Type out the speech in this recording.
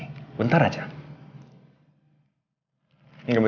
ketika pertama kali roy ngajakin andien ngedit